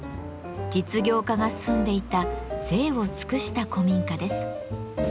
実業家が住んでいた贅を尽くした古民家です。